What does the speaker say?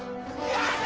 やった！